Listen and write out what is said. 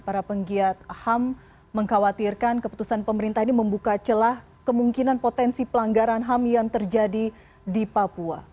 para penggiat ham mengkhawatirkan keputusan pemerintah ini membuka celah kemungkinan potensi pelanggaran ham yang terjadi di papua